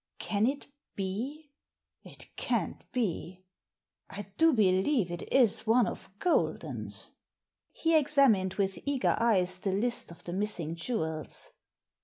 " Can it be — it can't be — I do believe it is one of Golden's." He examined with ee^er eyes the list of the missing jewels.